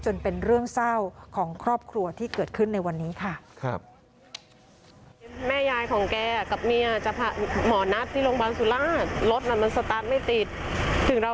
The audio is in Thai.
เป็นเรื่องเศร้าของครอบครัวที่เกิดขึ้นในวันนี้ค่ะ